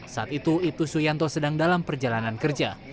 saat itu ibtusuyanto sedang dalam perjalanan kerja